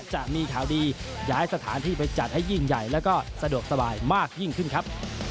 จะมีข่าวดีย้ายสถานที่ไปจัดให้ยิ่งใหญ่แล้วก็สะดวกสบายมากยิ่งขึ้นครับ